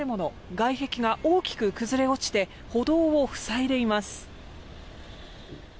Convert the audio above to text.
外壁が大きく崩れ落ちて歩道を塞いでいます。